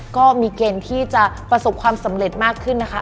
ก็มีเกณฑ์ที่จะประสบความสำเร็จมากขึ้นนะคะ